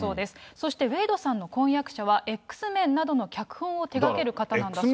そしてウェイドさんの婚約者は、エックスメンなどの脚本を手がける方なんだそうです。